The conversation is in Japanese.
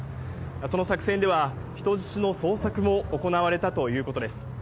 その作戦では、人質の捜索も行われたということです。